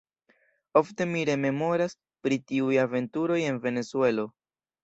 Ofte mi rememoras pri tiuj aventuroj en Venezuelo.